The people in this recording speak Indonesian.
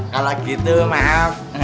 kalau gitu maaf